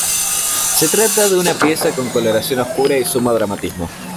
Se trata de una pieza con coloración oscura y sumo dramatismo.